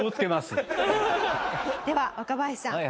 では若林さん。